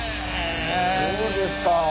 そうですか。